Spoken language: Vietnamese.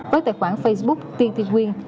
với tài khoản facebook tiên thiên quyên